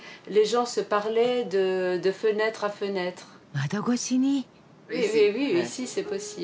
窓越しに。